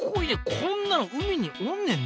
こんなの海におんねんね！